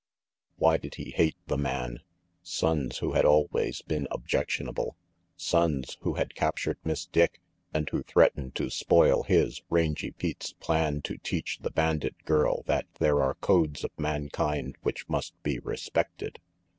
Why did he hate the man? Sonnes, who had always been objectionable Sonnes who had captured Miss Dick, and who threatened to spoil his, Rangy Pete's, plan to teach the bandit girl that there are codes of mankind which must be respected.